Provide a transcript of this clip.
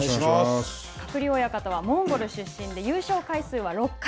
鶴竜親方はモンゴル出身で優勝回数は６回。